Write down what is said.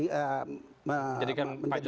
menjadikan pak jokowi presiden begitu